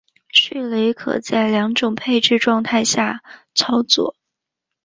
迅雷可在两种配置状态以下操作。